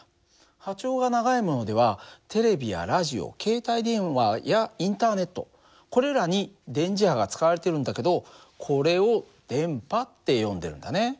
波長が長いものではテレビやラジオ携帯電話やインターネットこれらに電磁波が使われてるんだけどこれを電波って呼んでるんだね。